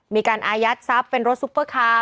มีการอายัดทรัพย์เป็นรถซุปเปอร์คาร์